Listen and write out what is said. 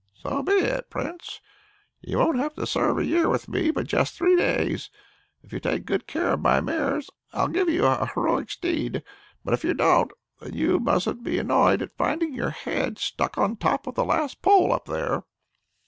"So be it, Prince, you won't have to serve a year with me, but just three days. If you take good care of my mares, I'll give you a heroic steed. But if you don't why then you mustn't be annoyed at finding your head stuck on top of the last pole up there."